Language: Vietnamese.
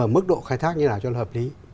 mức độ khai thác như thế nào cho hợp lý